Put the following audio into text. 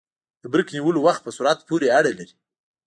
د بریک نیولو وخت په سرعت پورې اړه لري